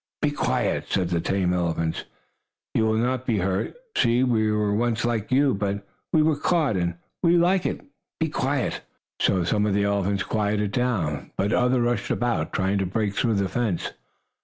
"Be quiet!" said the tame elephants. "You will not be hurt! See us! We were once like you, but we were caught and we like it. Be quiet!" Some of the elephants quieted down, but others rushed about, trying to break through the fence.